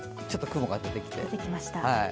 ちょっと雲が出てきました。